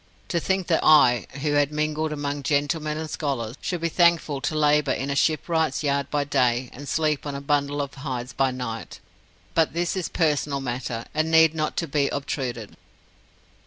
To think that I, who had mingled among gentlemen and scholars, should be thankful to labour in a shipwright's yard by day, and sleep on a bundle of hides by night! But this is personal matter, and need not be obtruded.